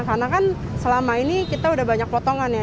karena kan selama ini kita udah banyak potongan ya